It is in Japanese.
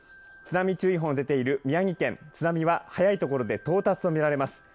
津波注意報が出ている宮城県、津波は早い所で到達と見られます。